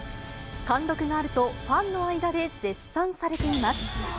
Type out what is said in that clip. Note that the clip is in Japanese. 貫禄があると、ファンの間で絶賛されています。